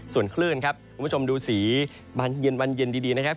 ส่วนคลื่นครับคุณผู้ชมดูสีบานเย็นวันเย็นดีนะครับ